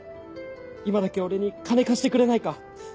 今だけ俺に金貸してくれないか？